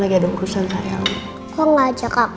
makan supaya neknya kenal tadi dok